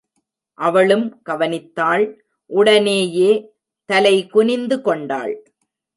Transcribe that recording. அவளும் கவனித்தாள், உடனேயே தலை குனிந்து கொண்டாள்.